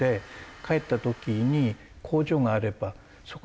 帰った時に工場があればそこに勤められる。